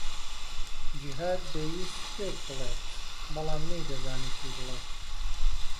جیھاد دەیویست شتێک بڵێت، بەڵام نەیدەزانی چی بڵێت.